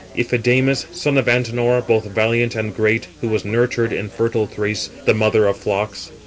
Iphidamas, son of Antenor, both valiant and great, who was nurtured in fertile Thrace, the mother of flocks.